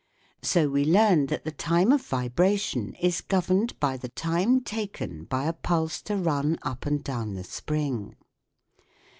So we learn that the time of vibration is governed by the time taken by a pulse to run up and down the spring.